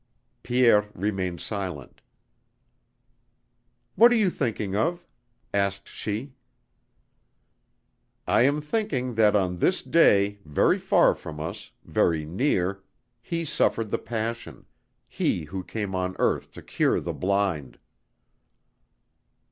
Pierre remained silent. "What are you thinking of?" asked she. "I am thinking that on this day, very far from us, very near, He suffered the Passion, He who came on earth to cure the blind."